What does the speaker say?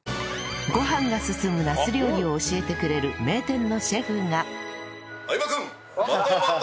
ご飯が進むナス料理を教えてくれる名店のシェフが